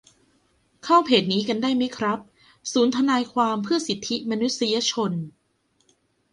เข้าเพจนี้กันได้ไหมครับ ศูนย์ทนายความเพื่อสิทธิมนุษยชน